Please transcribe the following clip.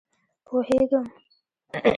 پوهېږم.